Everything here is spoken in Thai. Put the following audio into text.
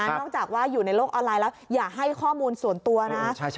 นอกจากว่าอยู่ในโลกออนไลน์แล้วอย่าให้ข้อมูลส่วนตัวนะ